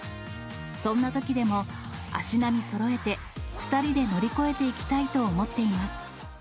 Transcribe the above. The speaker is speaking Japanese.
そんなときでも、足並みそろえて、２人で乗り越えていきたいと思っています。